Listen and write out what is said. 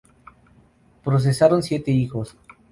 Procrearon siete hijos.